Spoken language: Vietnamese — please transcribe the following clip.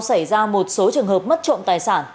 xảy ra một số trường hợp mất trộm tài sản